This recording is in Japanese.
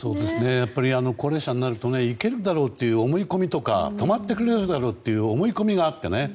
やっぱり高齢者になると行けるだろうという思い込みや止まってくれるだろうという思い込みがあって。